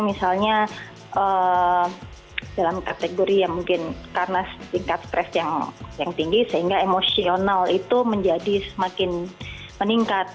misalnya dalam kategori yang mungkin karena tingkat stres yang tinggi sehingga emosional itu menjadi semakin meningkat